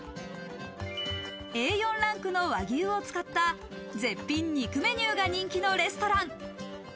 Ａ４ランクの和牛を使った絶品肉メニューが人気のレストラン。